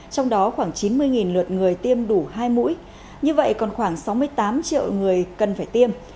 trong đó khoảng chín mươi lượt người tiêm đủ hai mũi như vậy còn khoảng sáu mươi tám triệu người cần phải tiêm